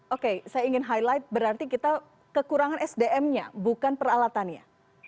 oke saya ingin highlight berarti kita kekurangan sdm nya bukan peralatannya